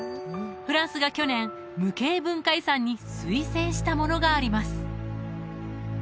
フランスが去年無形文化遺産に推薦したものがあります